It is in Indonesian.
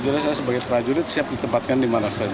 jadi saya sebagai para jurid siap ditempatkan di mana saja